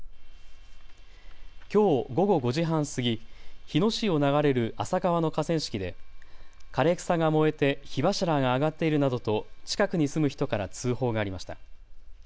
きょう午後５時半過ぎ、日野市を流れる浅川の河川敷で枯れ草が燃えて火柱が上がっているなどと近くに住む人から通報がありました。